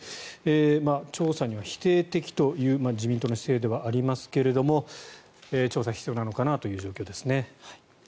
調査には否定的という自民党の姿勢ではありますけども調査が必要なのかなという状況ですね。